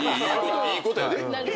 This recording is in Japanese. いいことやで。